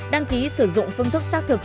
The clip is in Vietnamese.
đăng ký sử dụng phương thức xác thực